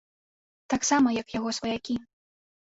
Таксама як яго сваякі.